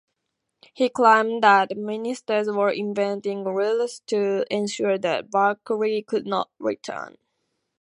He claimed that ministers were inventing rules to ensure that Bakri could not return.